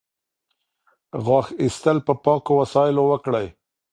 غاښ ایستل په پاکو وسایلو وکړئ.